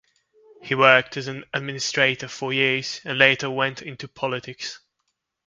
He worked as an administrator for years and later went into politics.